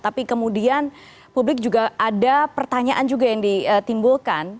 tapi kemudian publik juga ada pertanyaan juga yang ditimbulkan